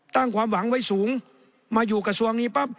ความหวังไว้สูงมาอยู่กระทรวงนี้ปั๊บ